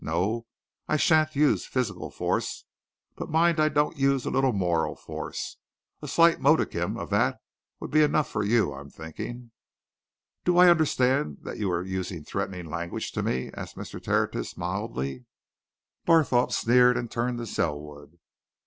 No, I shan't use physical force. But mind I don't use a little moral force a slight modicum of that would be enough for you, I'm thinking!" "Do I understand that you are using threatening language to me?" asked Mr. Tertius, mildly. Barthorpe sneered, and turned to Selwood.